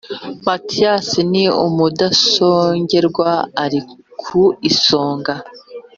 matiyasi ni umudasongerwa ari ku isonga.